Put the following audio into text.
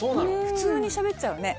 普通にしゃべっちゃうね。